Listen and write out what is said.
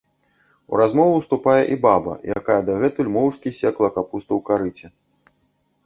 У размову ўступае і баба, якая дагэтуль моўчкі секла капусту ў карыце.